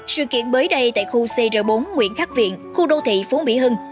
sự kiện mới đây tại khu cr bốn nguyễn khắc viện khu đô thị phú mỹ hưng